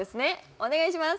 お願いします